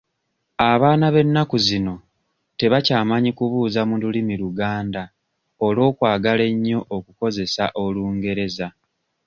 Abaana b'ennaku zino tebakyamanyi kubuuza mu lulimi Luganda olw'okwagala ennyo okukozesa Olungereza.